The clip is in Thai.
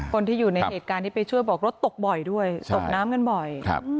คนที่อยู่ในเหตุการณ์ที่ไปช่วยบอกรถตกบ่อยด้วยตกน้ำกันบ่อย